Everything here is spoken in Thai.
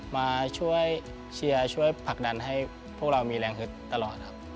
มาช่วยเชียร์ช่วยผลักดันให้พวกเรามีแรงฮึดตลอดครับ